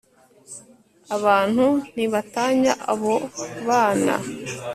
abantu ntibatanya abo bana